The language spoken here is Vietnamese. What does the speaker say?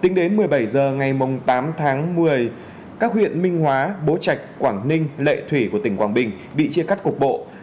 tính đến một mươi bảy h ngày tám tháng một mươi các huyện minh hóa bố trạch quảng ninh lệ thủy của tỉnh quảng bình bị chia cắt cục bộ